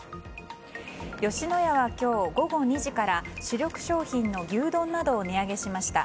吉野家は今日午後２時から主力商品の牛丼などを値上げしました。